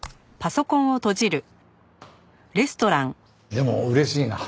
でも嬉しいな。